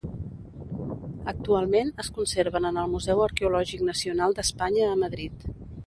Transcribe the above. Actualment es conserven en el Museu Arqueològic Nacional d'Espanya a Madrid.